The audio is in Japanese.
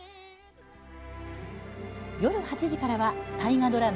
夜８時からは大河ドラマ